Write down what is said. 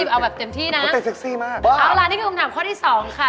เอาละนี่คือคำถามข้อที่๒ค่ะ